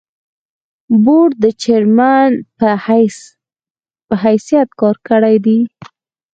بورډ د چېرمين پۀ حېثيت کار کړے دے ۔